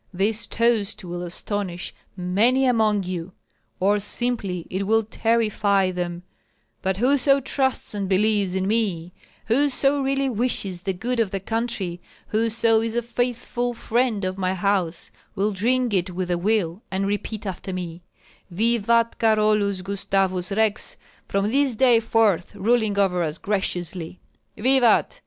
this toast will astonish many among you, or simply it will terrify them, but whoso trusts and believes in me, whoso really wishes the good of the country, whoso is a faithful friend of my house, will drink it with a will, and repeat after me, 'Vivat Carolus Gustavus Rex, from this day forth ruling over us graciously!'" "Vivat!"